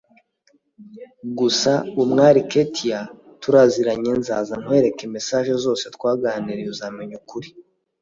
gusa (Umwali Kethia) turaziranye nzaza nkwereke message zose twaganiriye uzamenya ukuri